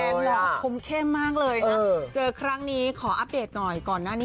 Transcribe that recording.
คุ้มเข้มมากเลยนะเจอครั้งนี้ขออัปเดตหน่อยก่อนหน้านี้